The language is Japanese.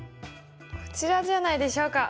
こちらじゃないでしょうか。